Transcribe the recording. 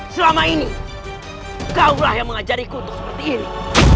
selama ini kaulah yang mengajariku untuk seperti ini